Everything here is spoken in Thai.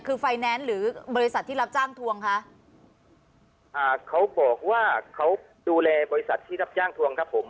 คือไฟแนนซ์หรือบริษัทที่รับจ้างทวงคะอ่าเขาบอกว่าเขาดูแลบริษัทที่รับจ้างทวงครับผม